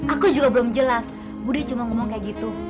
aku juga belum jelas budi cuma ngomong kayak gitu